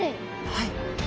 はい。